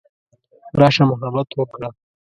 راشه محبت وکړه.